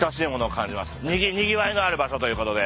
にぎわいのある場所ということで。